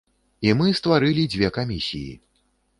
І мы стварылі дзве камісіі.